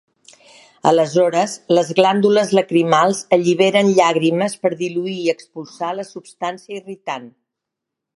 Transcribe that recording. Aleshores les glàndules lacrimals alliberen llàgrimes per diluir i expulsar la substància irritant.